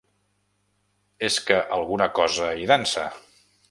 És que alguna cosa hi dansa.